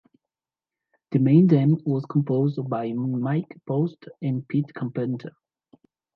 The main theme was composed by Mike Post and Pete Carpenter.